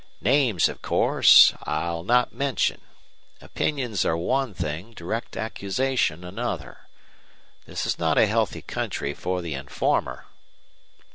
"Names, of course, I'll not mention. Opinions are one thing, direct accusation another. This is not a healthy country for the informer."